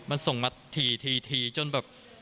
มันส่งมาทีทีทีจนแบบ